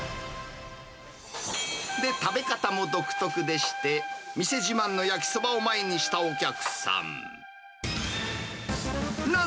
で、食べ方も独特でして、店自慢の焼きそばを前にしたお客さん。